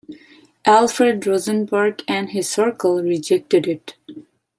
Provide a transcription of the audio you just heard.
Alfred Rosenberg and his circle rejected it.